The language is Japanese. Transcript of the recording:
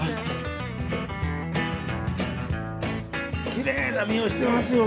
きれいな身をしてますよ